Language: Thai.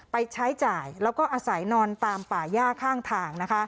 ไปใช้จ่ายแล้วก็อาศัยนอนตามป่าย่าข้างทาง